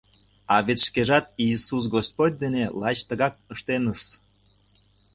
А вет шкежат Иисус Господь дене лач тыгак ыштеныс.